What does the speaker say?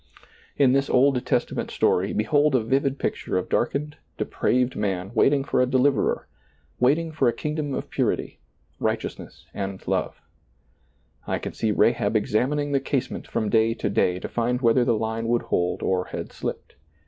In this Old Testament story behold a vivid picture of darkened, depraved man waiting for a deliverer, waitmg for a kingdom of purity, right ^lailizccbvGoOgle RAHAB 47 eousness and love. I can see Rahab examining the casement from day to day to find whether the line would hold or had slipped.